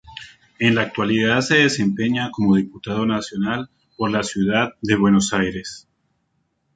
En la actualidad se desempeña como diputado nacional por la ciudad de Buenos Aires.